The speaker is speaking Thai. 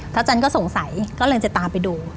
จันก็สงสัยก็เลยจะตามไปดู